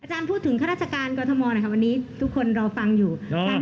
อาจารย์พูดถึงคลาชการกรมมนะครับวันนี้ทุกคนรอฟังอยู่